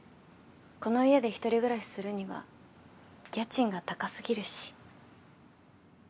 この部屋で一人暮らしするには家賃が高すぎるし。